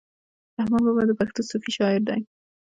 رحمان بابا د پښتو صوفي شاعر دی.